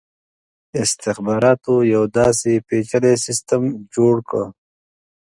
استخباراتو یو داسي پېچلی سسټم جوړ کړ.